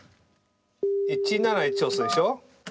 １７１押すでしょ。